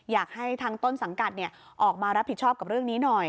อยากให้ทางต้นสังกัดออกมารับผิดชอบกับเรื่องนี้หน่อย